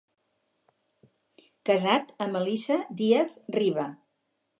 Casat amb Elisa Díaz Riba.